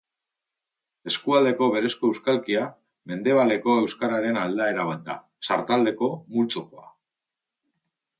Eskualdeko berezko euskalkia mendebaleko euskararen aldaera bat da, sartaldeko multzokoa.